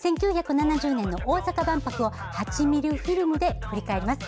１９７０年の大阪万博を８ミリフィルムで振り返ります。